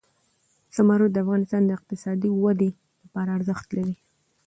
زمرد د افغانستان د اقتصادي ودې لپاره ارزښت لري.